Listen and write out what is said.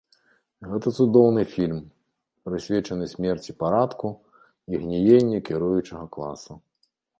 Гэта цудоўны фільм, прысвечаны смерці парадку і гніенню кіруючага класа.